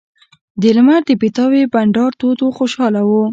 د لمر د پیتاوي بنډار تود و خوشاله وو.